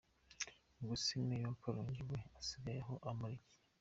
Ubwo se Mayor wa Karongi we asigaye aho amara iki?